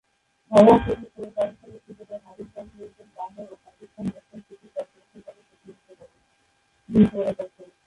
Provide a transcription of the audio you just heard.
ঘরোয়া প্রথম-শ্রেণীর পাকিস্তানি ক্রিকেটে হাবিব ব্যাংক লিমিটেড, লাহোর ও পাকিস্তান ন্যাশনাল শিপিং কর্পোরেশন দলের প্রতিনিধিত্ব করেন।